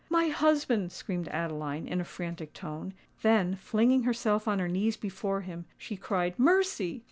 "My husband!" screamed Adeline, in a frantic tone: then, flinging herself on her knees before him, she cried, "Mercy!